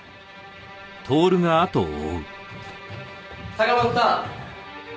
坂本さん！